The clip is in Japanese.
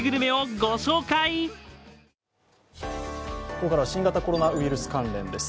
ここからは新型コロナウイルス関連です。